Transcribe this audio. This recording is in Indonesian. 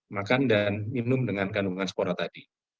makan dan minum dengan kandungan spora tadi